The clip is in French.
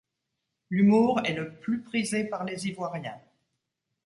L'humour est le plus prisé par les Ivoiriens.